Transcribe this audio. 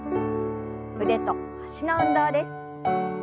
腕と脚の運動です。